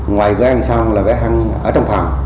ngoài bữa ăn xong là bé hăng ở trong phòng